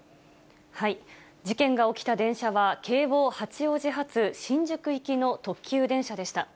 事件が起きた電車は、京王八王子発新宿行きの特急電車でした。